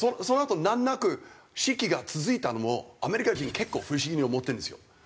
そのあと難なく式が続いたのもアメリカ人結構不思議に思ってるんですよ。